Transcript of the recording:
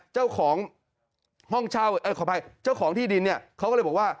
เจ้าของที่ดินเขาก็เลยบอกว่า